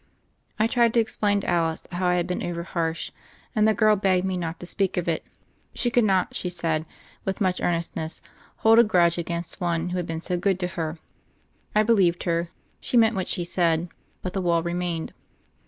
I tried to explain to Alice how I had been over harsh, and the girl begged me not to speak of it. She could not, she said with much earnestness, hold a grudge against one who had been so good to her. I believed her; she meant what she said ; but the wall remained.